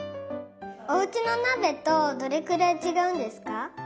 おうちのなべとどれくらいちがうんですか？